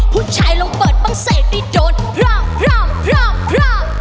ผู้ชายลองเปิดบางเซสได้โดนพร่ำพร่ำพร่ำพร่ำ